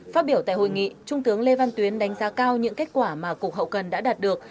phát biểu tại hội nghị trung tướng lê văn tuyến đánh giá cao những kết quả mà cục hậu cần đã đạt được